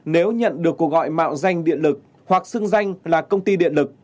nếu nhận được cuộc gọi mạo danh điện lực hoặc xưng danh là công ty điện lực